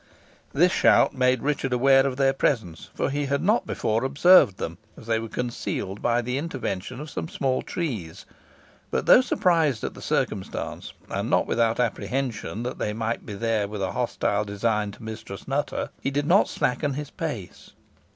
This shout made Richard aware of their presence, for he had not before observed them, as they were concealed by the intervention of some small trees; but though surprised at the circumstance, and not without apprehension that they might be there with a hostile design to Mistress Nutter, he did not slacken his pace.